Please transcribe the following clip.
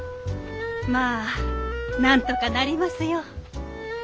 まあなんとかなりますよ。